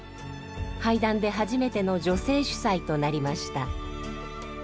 俳壇で初めての女性主宰となりました。